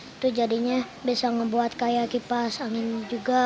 itu jadinya bisa ngebuat kayak kipas angin juga